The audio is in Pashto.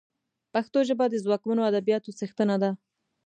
پښتو ژبه د ځواکمنو ادبياتو څښتنه ده